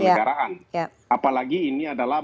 negaraan apalagi ini adalah